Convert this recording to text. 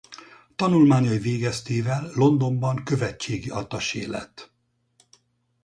Tanulmányai végeztével Londonban követségi attasé lett.